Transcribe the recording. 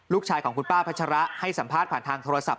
ลูกชายของคุณป้าพัชระให้สัมภาษณ์ผ่านทางโทรศัพ